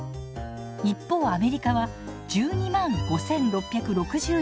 一方アメリカは１２５，６６４円。